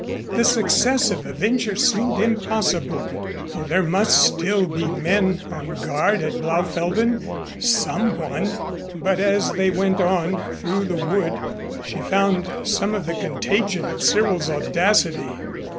The success of the venture seemed impossible for there must still be men on guard at Blaufelden someone! But as they went on through the wood, she found some of the contagion of Cyril's audacity.